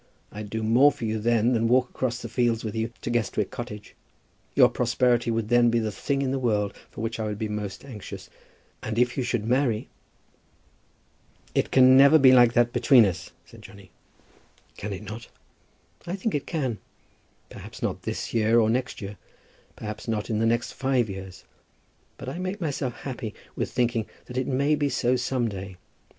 I'd do more for you then than walk across the fields with you to Guestwick Cottage. Your prosperity would then be the thing in the world for which I should be most anxious. And if you should marry " [Illustration: Lily wishes that they might swear to be Brother and Sister.] "It can never be like that between us," said Johnny. "Can it not? I think it can. Perhaps not this year, or next year; perhaps not in the next five years. But I make myself happy with thinking that it may be so some day.